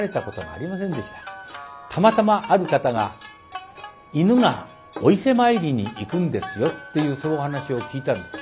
たまたまある方が「犬がお伊勢参りに行くんですよ」っていうその話を聞いたんです。